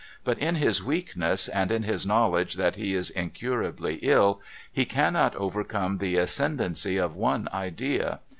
But in his weakness, and in his knowledge that he is incurably ill, he cannot overcome the ascendency of one idea.